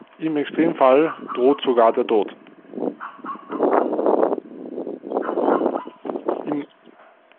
Im Extremfall droht sogar der Tod.